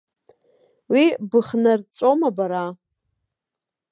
Уи быхнарҵәома бара?!